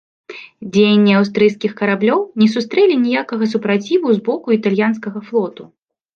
Дзеянні аўстрыйскіх караблёў не сустрэлі ніякага супраціву з боку італьянскага флоту.